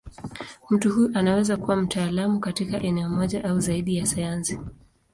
Mtu huyo anaweza kuwa mtaalamu katika eneo moja au zaidi ya sayansi.